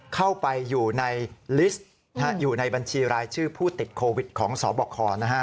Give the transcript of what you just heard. เข้าไปอยู่ในลิสต์อยู่ในบัญชีรายชื่อผู้ติดโควิดของสบค